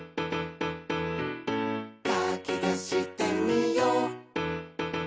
「かきたしてみよう」